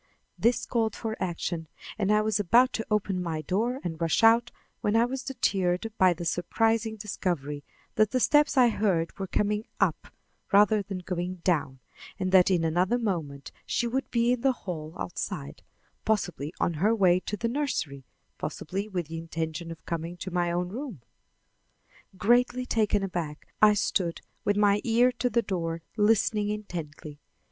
This called for action, and I was about to open my door and rush out when I was deterred by the surprising discovery that the steps I heard were coming up rather than going down, and that in another moment she would be in the hall outside, possibly on her way to the nursery, possibly with the intention of coming to my own room. Greatly taken aback, I stood with my ear to the door, listening intently.